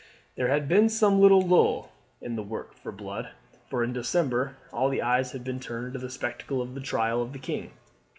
There had been some little lull in the work of blood, for in December all eyes had been turned to the spectacle of the trial of the king.